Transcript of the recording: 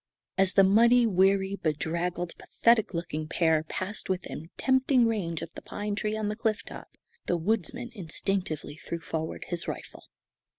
As the muddy, weary, bedraggled, pathetic looking pair passed within tempting range of the pine tree on the cliff top, the woodsman instinctively threw forward his rifle.